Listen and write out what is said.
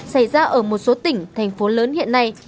xảy ra ở một số tỉnh thành phố lớn hiện nay